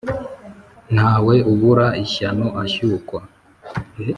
ntawe ubura ishyano ashyukwa